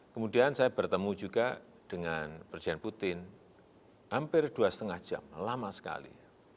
kemudian saya bertemu juga dengan presiden putin hampir dua lima jam lama sekali